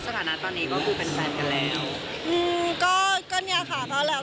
ก็เป็นแง่ค่ะแล้วแต่คนจะคิดไม่เราไม่ได้คิดว่าแง่เลย